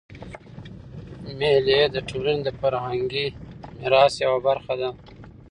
مېلې د ټولني د فرهنګي میراث یوه برخه ده.